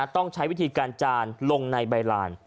ต้องใช้วิธีการจานลงในใบลาน